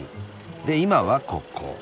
で今はここ。